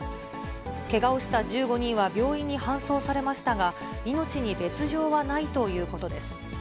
けがをした１５人は病院に搬送されましたが、命に別状はないということです。